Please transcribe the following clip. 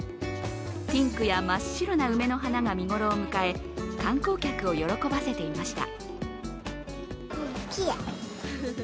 ピンクや真っ白な梅の花が見頃を迎え観光客を喜ばせていました。